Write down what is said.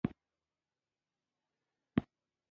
د ټیټ معاش څخه باید مالیه وانخیستل شي